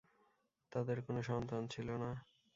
তাদের কোন সন্তান ছিল না।